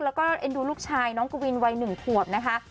แล้วก็เอ็นดูลูกชายน้องกวินวัย๑ขวบนะคะ